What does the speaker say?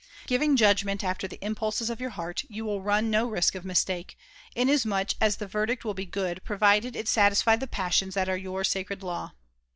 Giving judgment after the impulses of your heart, you will run no risk of mistake, inasmuch as the verdict will be good provided it satisfy the passions that are your sacred law.